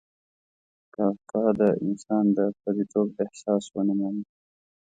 کافکا د انسان د پردیتوب احساس ونمایي.